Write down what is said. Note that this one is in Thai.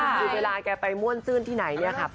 คือเวลาแกไปม่วนซื่นที่ไหนเนี่ยค่ะ